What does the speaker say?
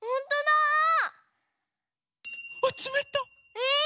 え！